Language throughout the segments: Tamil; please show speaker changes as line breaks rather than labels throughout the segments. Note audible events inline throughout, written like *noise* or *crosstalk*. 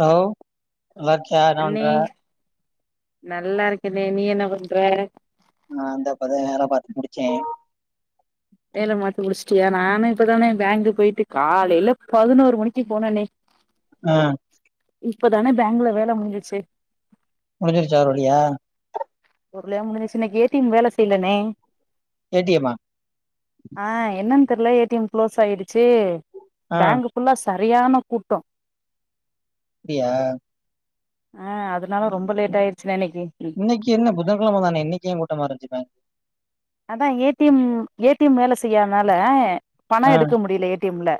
ஹலோ நல்லாக்கிறியா என்னபண்ற
அண்ணே நல்லா இருக்கேனே நீ என்ன பண்ற
நான் இந்த இப்பதான் வேல பாத்துமுடிச்சேன்
வேல பாத்து முடிச்சிட்டியா நானு இப்பதானே பேங்க்கு போயிட்டு காலையில பதினோரு மணிக்கு போனேன்னே
ஆஹ்
இப்பதான்னே பேங்கள்ல வேல முடிஞ்சிச்சு
முடிஞ்சிருச்சா ஒருவழியா
ஒருவழியா முடிஞ்சிச்சின்னே ஏ டி எம் வேல செய்யலனே
ஏ டி ய ம்மா
அதுக்குல எ டி எம் குளோஸ் ஆயிடுச்சு ச்சு
ஆ
பேங்க் ஃபுல்லா சரியான கூட்டம்
பியா
ஆஹ் அதனால ரொம்ப லேட் ஆயிருச்சு
இன்னைக்கு என்ன புதன்கிழமை தானே இன்னைக்கு ஏன் கூட்டமா இருந்திச்சி பேங்
அதான் A T M A T M வேலை செய்யாதனால பணம்
ஆ
எடுக்க முடியல ஏ டி எம்ல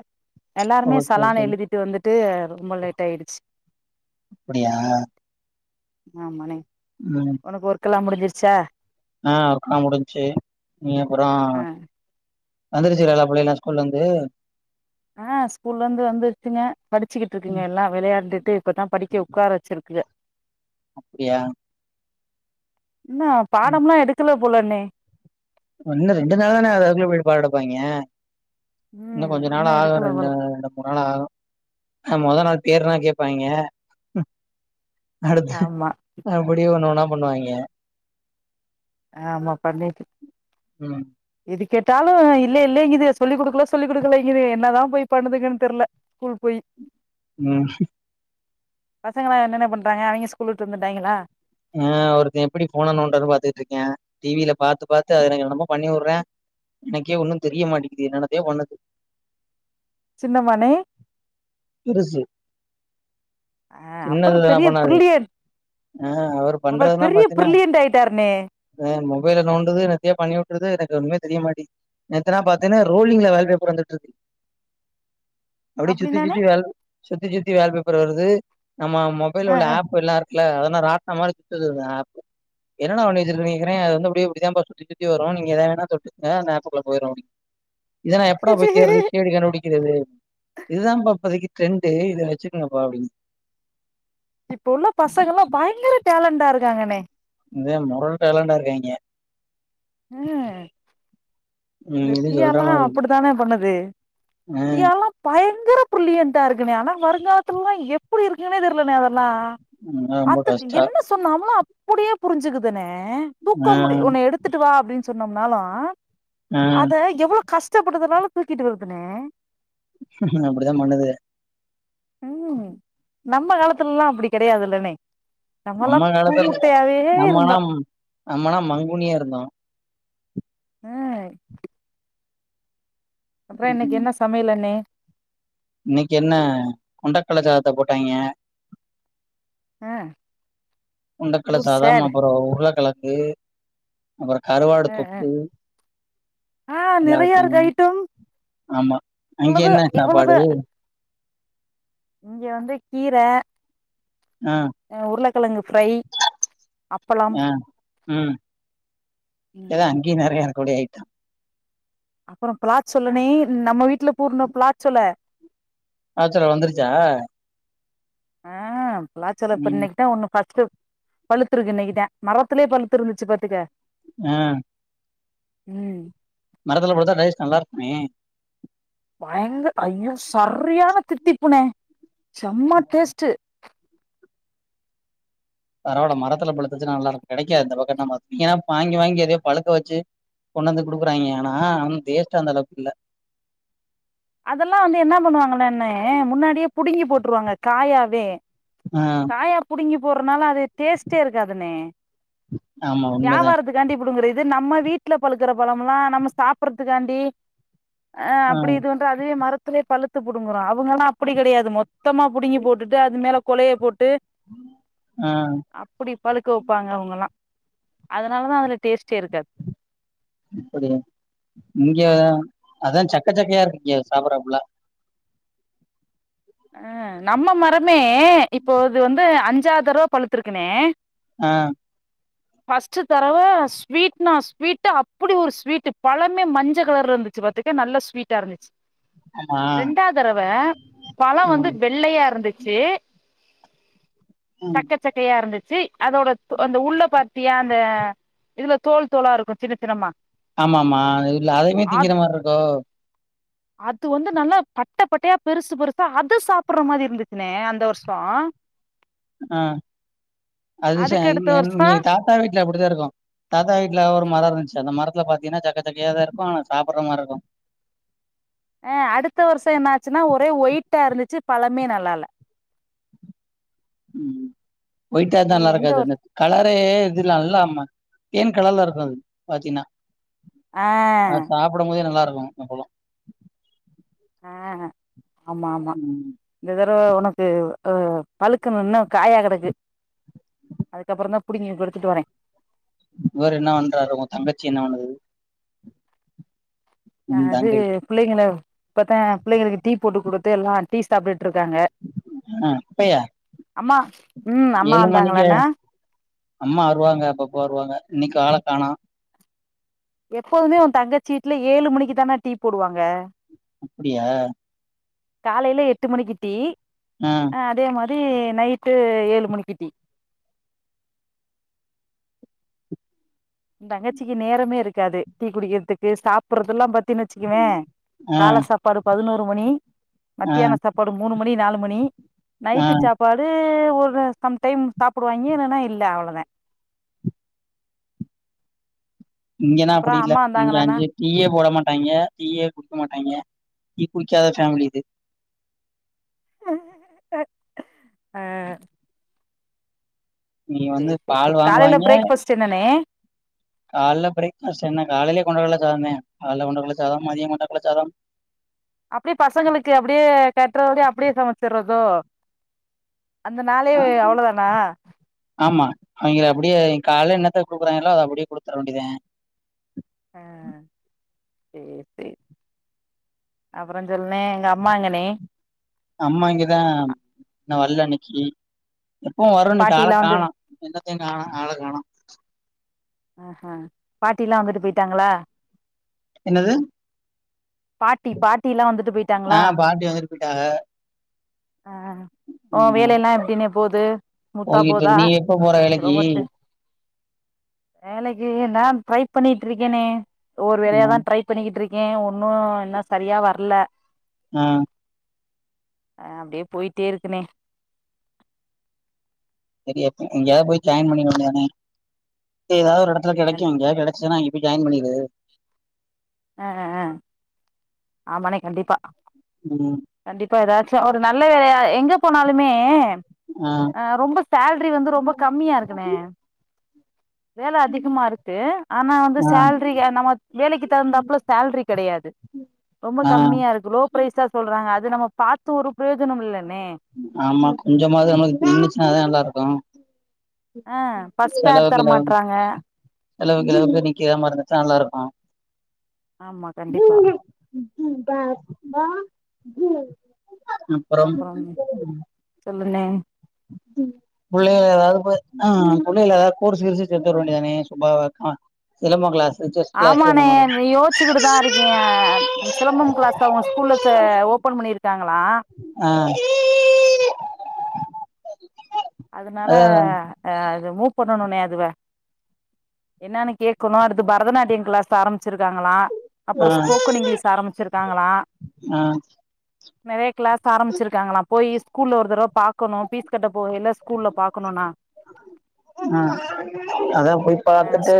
எல்லாருமே
ஓ சரி
சலான்னு
சரி
எழுதிட்டு வந்துட்டு ரொம்ப லேட் ஆயிடுச்சு
அப்டியா
ஆமான்னே உனக்கு ஒர்க்கெல்லாம் முடிஞ் முடிஞ்சிர்ச்சா
ஆஹ் ஆஹ் முடிஞ்சிச்சு நீ அப்றோ
ஆ
வந்துருச்சுங்கல்லா பிள்ளைகெல்லாம் ஸ்கூல்ல இருந்து
ஆஹ் ஸ்கூல்ல இருந்து வந்துட்டுங்க படிச்சுக்கிட்டு இருக்குங்க எல்லா விளையாட்டு இப்பதான் படிக்க உட்கார வச்சிருக்கு
அப்டியா
இன்னம் பாடம் எல்லா எடுக்கல புலேனே
ஒன்னும் ரெண்டு நாள் தானே ஆகுது அதுக்குல எப்டி பாடம் எடுப்பாங்க இன்னும்
ம்
கொஞ்சே நாள்
இன்னு
ஆகும்
எடுக்கல
ரெண்டு
போல
ரெண்டு மூணு நாள் ஆகும் ஆ மொத நாள் பேர்னா கேப்பாங்க *unintelligible* அடுத்து
ஆமா
அப்டியோ ஒன்னுன்னா பண்ணுவாங்க
ஆமா பண்ணிட்
உஹம்
இது கேட்டாலு இல்லே இல்லேங்குது சொல்லிக் கொடுக்கல சொல்லி் கொடுக்கலங்குது என்னதா போய் பண்ணதுக தெர்ல ஸ்கூல் போய்
உம்
பசங்களா என்னென்ன பண்றாங்க அவிங்க ஸ்கூல்விட்டு வந்துட்டாங்களா
ஆ ஒருத்தின் எப்டி ஃபோனனோன்றது பாத்துட்ருக்கியா டிவில பாத்து பாத்து அவிங்ன்னமோ பண்ணிவுட்றா எனக்கே ஒன்னு தெரிய மாட்டிக்கிது என்னானத்தே பண்ணுது
சின்ன மானே
பெருசு
ஹ அப்பற
சின்னதுலாம்
பெரிய
பண்ணாது.
பிரில்லியன்
ஆ அவர் பண்றதுனா
பெரிய
பாத்தினா
பிரில்லியன்ட் ஆயிட்டாருண்ணே
மொபைல நோண்டுது என்னதையோ பண்ணிவுட்ருது எனக்கு ஒன்னுமே தெரியமாட்டி நேத்தன பாத்தேன்ன ரோலிங்ல வால்பேப்பர் வந்துட்டு இருக்கு அப்டியே சுத்தி
அப்டின்னாண்ணே
சுத்தி வருது சுத்தி சுத்தி வால் பேப்பரு வருது நம்ம
ஆ
மொபைலுள்ள
ஆ
ஆப் எல்லா ல்ல அதனா ரா தமாரி சுத்துதுங்க ஆப் என்னடா வன்னிவசுறுக்கணு கேக்றே அது வந்து அப்டியே இப்டிதாபா சுத்தி சுத்தி வரு நீங்க எதா வேணா சொல்லுங்க அங்க ஆப்புக்குள்ள போய்ரும் அப்டி இதநா எப்டா போய் தேடர்து தேடிகண்டுடி *inaudible* இதுதா பாப்பதிக்கு ட்ரெண்டு இத வச்சுகங்கப்பா அப்டி
இப்ப உள்ள பசங்கல்லா பயங்கர டேலண்டா இருக்காங்கண்ணே
இங்க மொறல் டேலண்டா இருக்காங்ஞ
ஹ
ம் இது சொல்ற
நித்யாலா
மாரி
அப்டித்தானே பண்ணுது
ஆ
த்தியாலா பயங்கர ப்பிரிலியன்டா இருக்குன ஆனா வருங்காலத்துலா எப்டி இருக்குனே தெர்லன அதல்லாம்
அதா ரொம்ப
அத்துக்
கஷ்டோ
என்ன சொன்னாம்மா புடியே புரிஞ்சுக்குதுன்ன
அஹ்
அப்டின் சொன்னம்னாலும் அத எவ்வள கஷ்ட புடுதலால தூக்கிட்டு வருதுனே
அப்டிதா பண்ணுது
ம் நம்ம காலத்துல்லா அப்டி கெடயாதுலனே
நம்ம காலத்துல
இருந்தோ
நம்மனாம் நம்மனா மங்குனியா இருந்தோம்
உஹ அப்பறம் என்னக்கு என்ன சமையலண்ணே
இன்னைக்கி என்ன கொண்டக்கலச்சாதத்த போட்டாங்ய
ஆ சோ
கொண்டக்கலசாதம்
சேடு
அப்பறம் உருலக் ஏ அப்பறம் கருவாடு
ஆ
தொக்கு
ஆ நெறைய இருக்கு
எல்லாத்தயும்
ஐட்டம்
ஆமா அங்க
இவ்வளவு
என்ன
இவ்வளவு
சாப்பாடு
இங்க வந்து கீர ஆ உருளை கலங்கு ப்ஃரை
ஆ ம் எல்ல
ம்
அங்கி நெறையா டூடே அயிட்டோம்
அப்பறம் பிளாச் சொலனே நம்ம வீட்டுல பூர்ண பிளாச் சொல
ஆ சல்ல வந்துருச்சா
ஆஹ் பிளாச் சல்ல
ம்
இன்னக்கி தான் ஒன்னுஃபர்ஸ் பழுத்து இருக்கு இன்னைக்கிதன் மரத்திலயே பழுத்து இருந்துச்சு பாத்துக்க
ஆஹ்
உம்
மரத்துல போட்டுதான் டைஜஸ்ட் நல்லா இருக்குமே
பயங்க ஐயூ சரியரியான தித்திப்புன செம்ம டேஸ்ட்டு
பரவால்ல மரத்துல பழுத்துச்சு நல்லாக்கு கிடைக்காது இந்த பக்கம் ல நீ ஏன்னா வாங்கி வாங்கி அதே பழுக்க வச்சு கொண்டு வந்து குடுக்குறாங்கய ஆனாம் டேஷ்ட்டு அந்த அளவுக்கு இல்ல
அதெல்லாம் வந்து என்ன பண்ணுவாங்கன்ன முன்னாடியே புடுங்கி போட்டுருவாங்க காயாவே
ஆ.
காயா புடுங்கி னால அது டேஸ்டே இருக்காதுண்ணே
ஆமா உண்மைதான்.
யாவாரத்து காண்டி புடுங்கற இது நம்ம வீட்டுல பழுக்குற பழம் எல்லாம் நம்ம சாப்பறதுக்காண்டி ஆ அப்டி இது வந்து அதுவே மரத்திலே பழுத்து புடுங்கறோம் அவங்கல்லாம் அப்டி கிடையாது மொத் த்தமா புடுங்கி போட்டுட்டு அது மேல கொலைய போட் டு
ஆ.
அப்புடி பழுக்க வைப்பாங்க அவுங்கல்லாம் அதனாலதான் அதுல டேஸ்ட்டே இருக்காது
அப்டி இங்க அதான் சக்க சக்கையா இருக்கு இங்க சாப்படுறப்புல
அஹ் நம்ம மரமே இப்போ இது வந்து அஞ்சாது தடவ பழுத்திருக்குனே
ஆஹ்
ஃபஸ்ட்டு தரவ ஸ்வீட்னா ஸ்வீட் அப்படி ஒரு ஸ்வீட்டு பழமே மஞ்ச கலர்ல இருந்துச்சு பாாத்துக்க நல்ல ஸ்வீட்டா இருந்துச்சு
ஆமா.
ரெண்டா தடவை பழம்
ஆ.
வந்து வெள்ளையா இருந்துச்சு
ம்.
சக்க சக்கையா இருந்துச்சு ஏய் அதோட அந்த உள்ள பாத் அந்த இதுல தோல் தோலா இருக்கும் சின்ன சின்னமா
ஆமா ஆமா இல்ல அதைமே
அது
திங்கிற மாரி இருக்கும்
அது வந்து நல்லா பட்ட பட்டையா பெருசு பெருசு ச அது சாப்பிடற மாதிரி இருந்துச்சுன்னே அந்த வருஷம்
ஆஹ் அது ச
அதுக்கு அடுத்த வருஷோ
நீங்க தாத்தா வீட்ல அப்டித்தான்ருக்கும் தாத்தா வீட்டுல ஒரு மரம் இருந்துச்சு அந்த மரத்துல பாத்தீங்கன்னா சக்க சக்கைய தான் இருக்கும் ஆனா சாப்பிடற மாதிரி இருக்கும்
அஹ் அடுத்த வருஷம் என்னாச்சுன்னா ஒரே ஒயிட்டா இருந்துச்சு பழமே நல்லால
உம் ஒயிட்டாதான்
ஏய்,
நல்லா
இந்த
இருக்காது அந்த
வருஷ்
கலர் இதுலே இது நல்ல ஆமா தேன் கலர்ல இருக்கும் பாத்தீங்கன்னா
ஆ
அஹ சாப்பிடும்போதே நல்லாருக்கு. பழோ அந்த பழோ.
ஆஹேஹ. ஆமா ஆமா
ம்
இந்த. அத உனக்கு அஹ பழுக்கன்னு இன்னு காயா கெடக்கு. அதுக்கப்புறோதா புடிங்கி கொடுத்துட்டு வரே.
இவர் என்ன பண்றாரு உங்க தங்கச்சி என்ன பண்ணுது. உன்
அது
தங்கை
பிள்ளைங்கள. இப்பத்த பிள்ளைங்களுக்கு டீ போட்டு கொடுத்து எல்லாம் டீ சாப்பிட். ட்டு இருக்காங்க.
ஆ அப்பயா
அம்மா உம் அம்மா
ஏழு மணிக்கு
வந்தாங்களானா.
அம்மா வருவாங்க அப்பப்போ வருவாங்க இன்னைக்கு ஆள காணோ.
எப்போதுமே உன் தங்கச்சி வீட்டுல ஏழு மணிக்கு தான டீ போடுவாங்க.
அப்டியா.
காலையில எட்டு மணிக்கு டீ.
ஆ
ஆஹ அதே மாரி. ங்கு நைட்டு ஏழு மணிக்கு டீ. தங்கச்சிக்கு நேரமே இருக்காது டீ குடிக்கிறதுக்கு சாப்பிடறது எல்லாம் பாத். துன்னு வச்சுக்குவே
ஆ
கால சாப்பாடு பதினொ. ரு மணி.
ஆ
மத்தியான சாப்பாடு மூணு மணி நாலு. மணி.
ஆ
நைட்டு சாப்பாடு. ஒரு சம் டைம் சாப்பிடுவாங்க இல்லன்னா இல்ல அவ்வளவுதே.
இங்கனா அப்படி இல்ல
அம்மா
இங்க
வந்தாங்களானா
அஞ்சு டீயே போட மாட்டாங்க டீயே குடுக்க மாட்டாங்க. டீக்குடிக்காத ஃபேமிலி இது.
*unintelligible* ஆஹ.
நீ வந்து
சரி
பால்
காலையில பிரேக்ஃபாஸ்ட் என்னானே.
காலைல பிரக்ஃபாஸ்ட் என்ன காலிலே கொண்டக்கள்ள சாதம்ந்தே. காலைல கொண்டக்கள்ள சாதம் மதியம் கொண்டக்கள்ள சாதம்.
அப்படியே பசங்களுக்கு அப்படியே கட்டுறபடி அப்படியே சமைச்சிடுறதோ. அந்த நாளே அவ்வளவுதானா.
கால என்னத்த கொடுக்குறாங்க எல்லா அத அப்படியே கொடுத்துர வேண்டியதே.
ஆ சேரி சேரி அப்புறோ சொல்லுனே எங்க அம்மா எங்கனே.
அம்மா இங்கதா வல்ல இன்னிக்கு. எப்போவும் வரு இன்னிக்கு ஆள
பாட்டிலா வந்து
காணோ என்னத்தையும் காணோ ஆள காணோ.
ஆஹஹ பாட்டில்லாம் வந்துட்டு போயிட்டாங்களா.
என்னதுங்.
பாட்டி பாட்டி எல்லாம் வந்துட்டு
ஆ
போயிட்டாங்களா.
பாட்டி வந்துட்டு போயிட்டாக.
ஆஹ் ஓ
ம்.
வேலையில்லாம் எப்படின்னே போகு முத்தா
போயிட்டு
போதா
இருக்கு. நீ எப்ப போற
சொல்ல
வேலைக்கு?
மாட்டேன் இதே நான் ட்ரை பண்ணிட்டு இருக்கேனே ஒரு வேலையா
ம்.
தான் ட்ரை பண்ணிட்டு இரு ஏன் ஒன்னும் என்ன சரியா வரல
ஆஹ்
ஆஹ் அப்படியே போயிட்டே இருக்குனே
எங்கயாவது போய் ஜாயின் பணிக்க வேண்டியதானே ஏதாவது ஒரு இடத்த துலா கிடைக்குமில்ல கெடச்ச நான் ஜய்ன் பணிகிறது
ஆஹ்ஹ் ஆஹ் ஆமானே கண்டிப்பா
ம்.
கண்டிப்பா ஏதாச்சும் ஒரு நல்ல யேலையா எங்க போனாலுமே
ஆ.
அஹ ரொம்ப சேலரி வந்து ரொம்ப கம்மியா இருக்குனே வேல அதிகமா இருக்கு ஆனா வந்து
ஆ.
சேல்ரி நம்ம வேலைக்கு தகுந்தாப்புல சேல்ரி கிடையாது ரொம்ப
ஆ.
கம்மியா இருக்கு லோ ப்ரைஸா சொல்றாங்க அது நம்ம பாத்து ஒரு பிரயோஜனம் இல்ல
ஆமா கொஞ்சமாது நம்மக்கு தின்னுச்சுன்னாதான் நல்லா இருக்கும்
ஆஹ பஸ்பேர் தர மாட்டறாங்க
செலவுக்கு கிலவுக்கு நிக்க ஏதாமாந்துச்சா நல்லா இருக்கும்
ஆமா கண்டிப்பா
*unintelligible* வா *unintelligible* அப்பறோம்
சொல்னே
புள்ளைகள ஏதாவது ஆஹ புள்ளைகள ஏதாவது கோர்ஸ் கிர்சு சேத்துவிட வேண்டியதானே சுபாவ தான் சிலம்பம் கிளாஸ் செஸ் கிளாஸ்
ஆமானே
அந்த மாரி
நீ யோசிச்சுக்கிட்டு தான் இருக்கேன் சிலம்பம் கிளாஸ்ல அவங்க ஸ்கூல்ல ஓபன் பண்ணிருக்காங்க
ஆஹ
அதனால அஹஅது மூ வு பண்ணணும்னே அதுவ என்னன்னு கேட்கணும் அடுத்து பரதநாட்டியம் கிளாஸ் ஆரம்பிச்சிருக்காங்களா
அதா ஆ
அப்பறோம் ஸ்போக்கன் இங்கிலீஷ் ஆரம்பிச்சிருக்காங்களா
ஆ
நெறைய கிளாஸ் ஆரம்பிச்சிருக்காங்களாம் போய் ஸ்கூல்ல ஒரு தடவ பாக்கணும் பீஸ் கட்ட போகையில ஸ்கூல்ல பாக்கணும்னா
ஆஹம் அதான் போய்
அ
பாத்துட்டு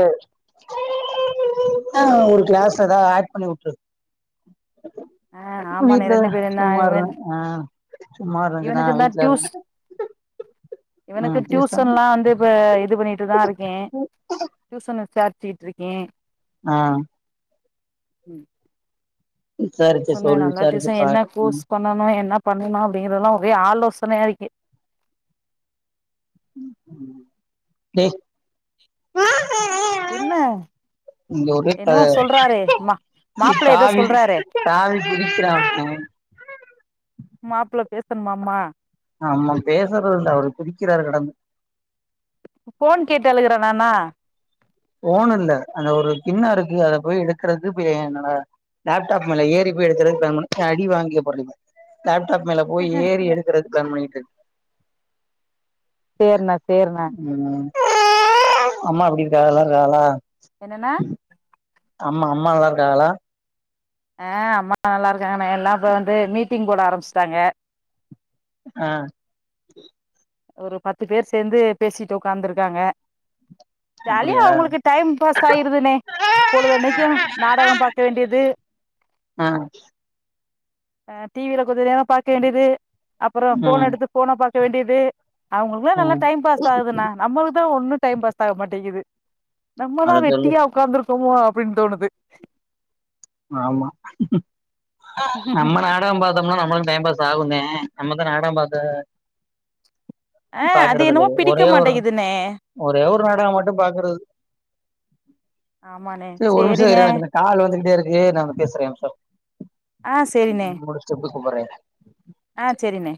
ஆ ஒரு க்ளாஸ்ல எதா ஆட் பண்ணி உட்ரு
ஆ ஆமாண்ணே
வீட்ல
ரெண்டு பேரு நா இவ
சும்மாரு ஆ சும்மாரு கொஞ்ச நே
இவனுக்கு தா
வீட்ல இருந்
டியூஸ் இவனுக்கு ட்யூசன்லா வந்து இப்ப இது பண்ணிட்டுதா இருக்கே‌ ட்யூசனுசா கீட்ருக்கே
ஆ
உம்
விசாரிச்சு
சொன்னே
சொல்லு
நல்லா
விசாரிச்சு
டிசை என்ன
பாரு
கோர்ஸ்
ம்
பண்ணனு என்ன பண்ணணு அப்டிங்கிறல்லா ஒரே ஆலோசனையா இருக்கு
டை
என்ன
இங்க ஒரே க
என்னவோ சொல்றாரே மா மாப்ள ஏதோ
தாவி
சொல்றாரே
தாவி பிடிக்கிறாங்க
மாப்புள்ள பேசணுமாமா
ஆமா பேசுறதுல்ல அவரு குதிக்கிறாரு கடந்து
ஃபோன் கேட்டு அழுகுறனாண்ணா
ஃபோன் இல்ல அந்த ஒரு கிண்ண இருக்கு அத போய் எடுக்குறது ப ஏ என்னடா லேப்டாப் மேல ஏறி போய் எடுக்கிற ப்ளான் பண்ணு அடி வாங்கிய *unintelligible* லேப் டாப் மேல போய் ஏறி எடுக்குறது ப்ளான் பண்ணிட்டுருக்
சேரிணா சேரிணா
இருக்கு ம் அம்மா எப்டி *unintelligible* வேணா
என்னணா
அம்மா அம்மா நல்லா இருக்காங்களா
ஆ அம்மா நல்லா இருக்காங்கனே எல்லா இப்ப வந்து மீட்டிங் போட ஆரம்பிச்சுட்டாங்க
ஆ
ஒரு பத்து பேர் சேந்து பேசிட்டு உக்காந்துருக்காங்க ஜாலியா
அப்டியா
உங்களுக்கு டைம் பாஸ் ஆயிருதுனே பொழுதன்னைக்கு நாடகம் பாக்க வேண்டியது
ஆ
ஆ டி வில கொஞ்சநேரம் பாக்க வேண்டியது அப்பற ஃபோன்
ம்
எடுத்து ஃபோன பாக் வேண்டியது அவங்களுக்குல்லா நல்லா
ம்
டைம் பாஸ் ஆகுதுண்ணா நம்மளுக்குதா ஒண்ணு டைம் பாஸ் ஆக மாட்டேங்குது
அத
நம்மதா
சொல்லு
வெட்டியா உக்காந்துருக் கோமோ அப்புடின் தோணுது
ஆமா நம்ம நாடக பாத்தம்னா நம்மளுக்கு டைம் பாஸ் ஆகுந்தே நம்மதா நாடகம் பாக்க
ஆ அது என்னமோ
பாக்குறதில்லையே
பிடிக்க
ஒரே ஒரு
மாட்டேங்குதுண்ணே
ஒரே ஒரு நாடகம் மட்டும் பாக்குறது
ஆமாண்ணே
சே ஒரு மிஷ இரு
சேரிண்ணே
எனக்கிந்த கால் வந்துகிட்டே இருக் க்கு நா வ பேசுறே ஒம்ஷோ
ஆஹ் சரினே
ப்புற
ஆஹ் சரினே